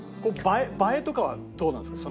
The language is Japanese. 映えとかはどうなんですか？